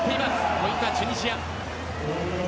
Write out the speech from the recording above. ポイントはチュニジア。